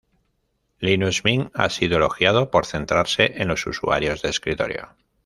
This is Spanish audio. Linux Mint ha sido elogiado por centrarse en los usuarios de escritorio.